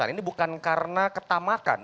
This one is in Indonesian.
ini bukan karena ketamakan